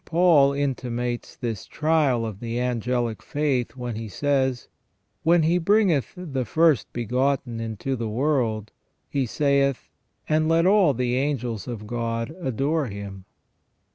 Paul intimates this trial of the angelic faith where he says :" When He bringeth the first begotten into the world. He saith. And let all the angels of God adore Him